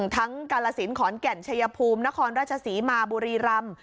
กาลสินขอนแก่นชัยภูมินครราชศรีมาบุรีรำ